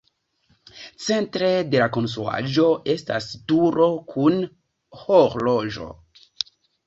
Centre de la konstruaĵo estas turo kun horloĝo.